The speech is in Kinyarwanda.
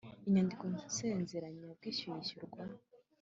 Inyandiko nsezeranyabwishyu yishyurwa